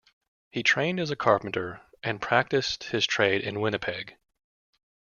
He trained as a carpenter, and practiced his trade in Winnipeg.